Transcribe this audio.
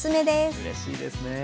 うれしいですね。